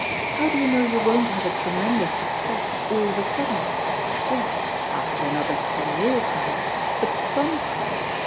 How do you know you won't have a tremendous success, all of a sudden? Yes after another ten years, perhaps but some time!